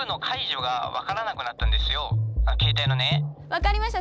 分かりました。